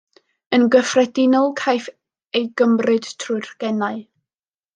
Yn gyffredinol caiff ei gymryd trwy'r genau.